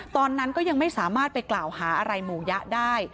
ตอนนั้นก็ยังไม่สามารถไปกล่าวหาอะไรหมู่ยะได้